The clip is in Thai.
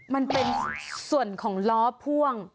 มันเป็นส่วนของล้อพ่วง